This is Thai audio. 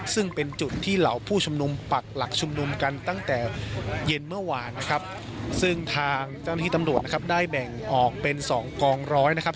ซึ่งเป็นจุดที่เหล่าผู้ชุมนุมปักหลักชุมนุมกันตั้งแต่เย็นเมื่อวานนะครับซึ่งทางเจ้าหน้าที่ตำรวจนะครับได้แบ่งออกเป็นสองกองร้อยนะครับ